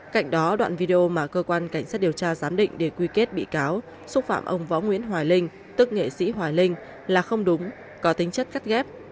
cạnh đó đoạn video mà cơ quan cảnh sát điều tra giám định để quy kết bị cáo xúc phạm ông võ nguyễn hoài linh tức nghệ sĩ hoài linh là không đúng có tính chất cắt ghép